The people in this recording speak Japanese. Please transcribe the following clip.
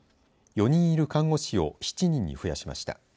４人いる看護師を７人に増やしました。